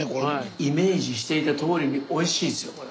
イメージしていたとおりにおいしいですよ。